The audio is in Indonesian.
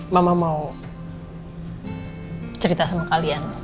mama mau cerita sama kalian